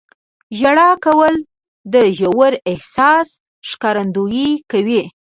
• ژړا کول د ژور احساس ښکارندویي کوي.